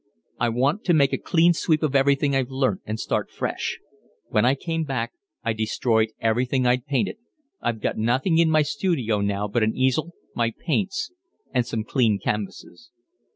I want to make a clean sweep of everything I've learnt and start fresh. When I came back I destroyed everything I'd painted. I've got nothing in my studio now but an easel, my paints, and some clean canvases."